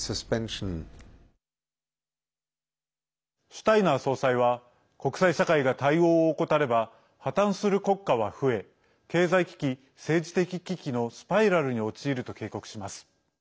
シュタイナー総裁は国際社会が対応を怠れば破綻する国家は増え経済危機、政治的危機のスパイラルに陥ると警告します。